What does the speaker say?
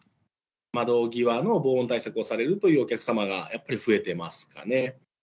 窓際の防音対策をされるというお客様がやっぱり増えてますかね。